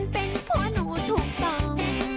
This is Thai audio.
เป็นเพราะหนูถูกต้อง